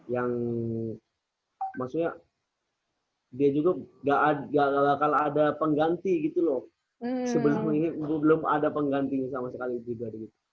yang maksudnya dia juga gak bakal ada pengganti gitu loh sebelum ini belum ada penggantinya sama sekali pribadi